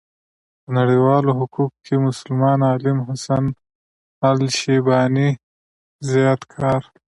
په نړيوالو حقوقو کې مسلمان عالم حسن الشيباني زيات کار